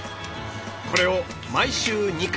これを毎週２回。